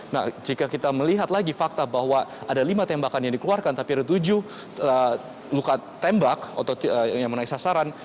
nah jika kita melihat lagi fakta bahwa ada lima tembakan yang dikeluarkan tapi ada tujuh luka tembak yang menaik sasaran